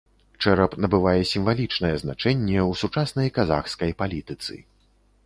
Чэрап набывае сімвалічнае значэнне ў сучаснай казахскай палітыцы.